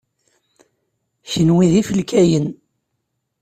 Kenwi d ifalkayen.